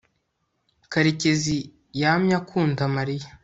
karekezi yamye akunda mariya